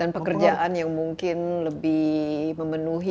dan pekerjaan yang mungkin lebih memenuhi